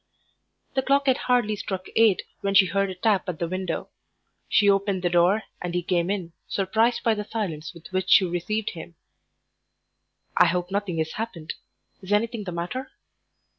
The clock had hardly struck eight when she heard a tap at the window. She opened the door and he came in, surprised by the silence with which she received him. "I hope nothing has happened. Is anything the matter?"